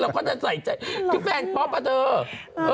ก็จะใส่ใจคือแฟนป๊อปอ่ะเถอะ